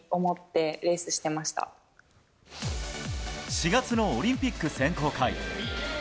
４月のオリンピック選考会。